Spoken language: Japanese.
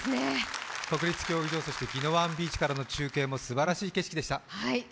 国立競技場、そしてぎのわんビーチからの中継もすばらしい景色でした。